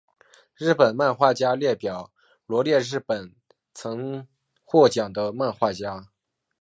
日本漫画家列表罗列日本曾获奖的漫画家。